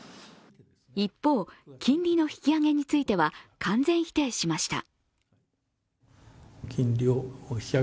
一方、金利の引き上げについては完全否定しました。